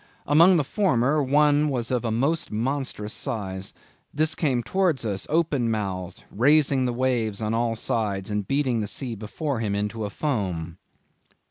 Among the former, one was of a most monstrous size.... This came towards us, open mouthed, raising the waves on all sides, and beating the sea before him into a foam."